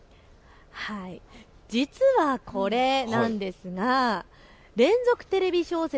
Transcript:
実はこれなんですが連続テレビ小説